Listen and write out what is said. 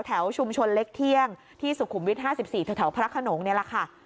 แถวชุมชนเล็กเที่ยงที่สุขุมวิท๕๔แถวพระขนงนี่แหละค่ะ